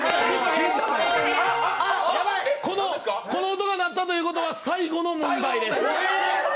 音が鳴ったということは最後の問題です。